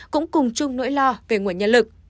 cũng cùng chung nỗi lo về nguồn nhân lực